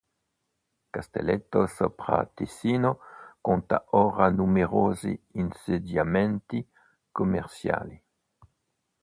Castelletto Sopra Ticino conta ora numerosi insediamenti commerciali.